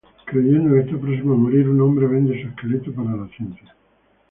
Creyendo que está próximo a morir, un hombre vende su esqueleto para la ciencia.